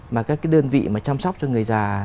mà các cái đơn vị mà chăm sóc cho người già